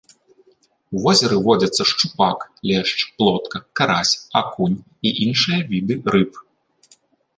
У возеры водзяцца шчупак, лешч, плотка, карась, акунь і іншыя віды рыб.